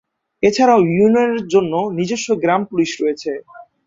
এছাড়াও ইউনিয়নের জন নিজস্ব গ্রাম পুলিশ রয়েছে।